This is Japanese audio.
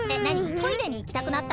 トイレにいきたくなった？